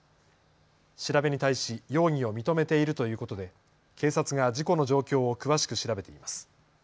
調べに対し容疑を認めているということで警察が事故の状況を詳しく調べています。